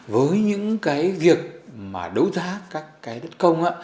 với những cái việc mà đấu giá các cái đất công á